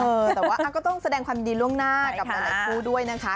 เออแต่ว่าก็ต้องแสดงความยินดีล่วงหน้ากับหลายคู่ด้วยนะคะ